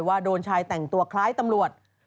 ว่าโดนชายแต่งตัวคล้ายตำรวจ